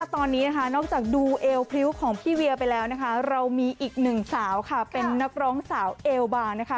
ตอนนี้นะคะนอกจากดูเอลพริกของพี่เวียไปแล้วเรามีอีกหนึ่งสาวเป็นนคร้องสาวเอลบา